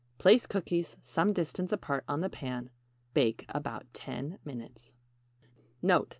Place cookies some distance apart on the pan. Bake about 10 minutes. NOTE.